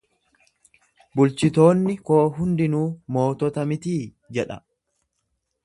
Bulchitoonni koo hundinuu mootota mitii? jedha.